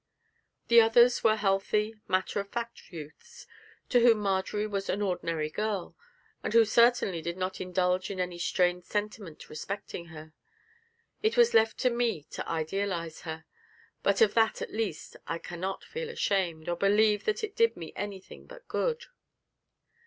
The others were healthy, matter of fact youths, to whom Marjory was an ordinary girl, and who certainly did not indulge in any strained sentiment respecting her; it was left for me to idealise her; but of that, at least, I cannot feel ashamed, or believe that it did me anything but good.